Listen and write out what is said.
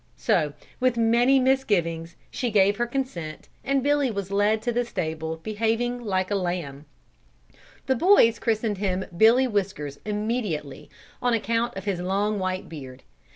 So with many misgivings she gave her consent, and Billy was led to the stable behaving like a lamb. The boys christened him Billy Whiskers immediately, on account of his long white beard.